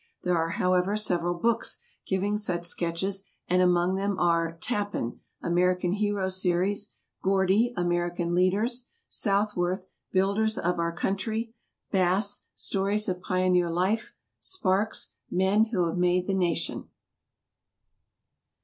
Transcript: There are, however, several books giving such sketches and among them are: Tappan, "American Hero Series"; Gordy, "American Leaders"; Southworth, "Builders of Our Country"; Bass, "Stories of Pioneer Life"; Sparks, "Men Who Have Made the Nation."